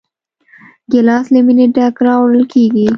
ګیلاس له مینې ډک راوړل کېږي.